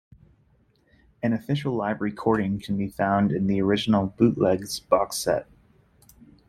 An official live recording can be found in "The Original Bootlegs" box set.